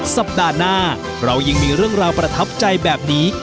สัปดาห์หน้าเรายังมีเรื่องราวประทับใจแบบนี้